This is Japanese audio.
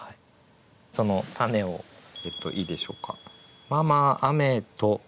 そのたねをいいでしょうか。